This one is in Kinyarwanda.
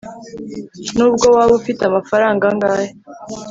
nubwo waba ufite amafaranga angahe